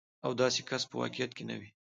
او داسې کس په واقعيت کې نه وي.